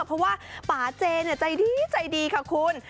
เพราะว่าป่าเจใจดีใจดีค่ะคุณ